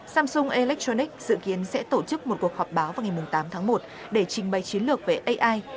samsung electronics dự kiến sẽ tổ chức một cuộc họp báo vào ngày tám tháng một để trình bày chiến lược về ai